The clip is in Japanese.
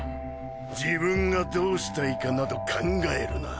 自分がどうしたいかなど考えるな。